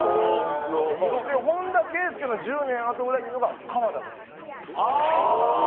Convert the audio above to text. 本田圭佑の１０年あとぐらいにいるのが鎌田君です。